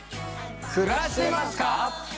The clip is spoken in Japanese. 暮らしてますか？